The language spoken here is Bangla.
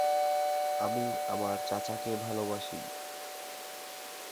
পুরো বেড়া-প্যানেলটি সরিয়ে ফেলা হয়েছে এবং সেখানে একটি ছোট ফলক স্থাপন করা হয়েছে।